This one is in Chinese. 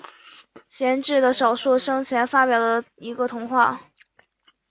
贤治的少数生前发表的一个童话。